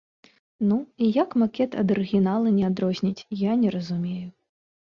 Ну, і як макет ад арыгінала не адрозніць, я не разумею.